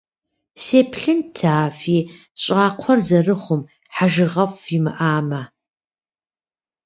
Сеплъынт, а фи щӏакхъуэр зэрыхъум, хьэжыгъэфӏ фимыӏамэ.